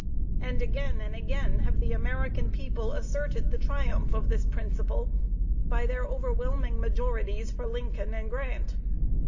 And again and again, have the American people asserted the triumph of this principle, by their overwhelming majorities for Lincoln and Grant.